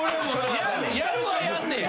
やるはやんねや。